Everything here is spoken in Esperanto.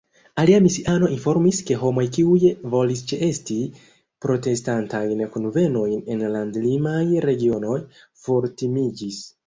Alia misiano informis, ke homoj, kiuj volis ĉeesti protestantajn kunvenojn en landlimaj regionoj, fortimiĝis.